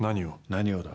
「何をだ」